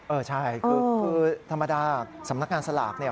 เออใช่คือธรรมดาสำนักงานสลากเนี่ย